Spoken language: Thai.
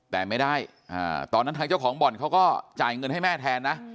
แต่ไม่ได้ตอนนั้นทางเจ้าของบ่อนเขาก็จ่ายเงินให้แม่แทนนะ